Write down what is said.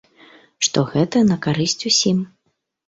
Што гэта на карысць усім.